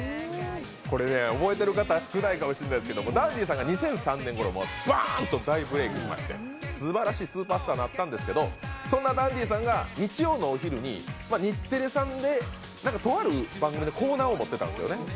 これね、覚えている方少ないかもしれませんが、ダンディさんが２００３年ごろダーンと大ブレークしましてすばらしいスーパースターになったんですけど、そんなダンディさんが日曜のお昼に日テレさんでとある番組のコーナーを持ってたんですよね。